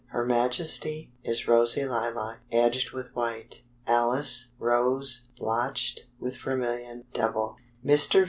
Her Majesty, is rosy lilac, edged with white. Alice, rose, blotched with vermilion; double. Mr.